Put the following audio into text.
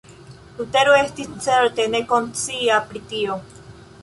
Lutero estis certe ne konscia pri tio.